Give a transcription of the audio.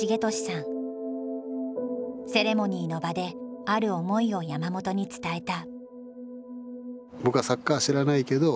セレモニーの場である思いを山本に伝えた。